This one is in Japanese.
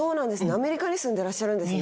アメリカに住んでらっしゃるんですね。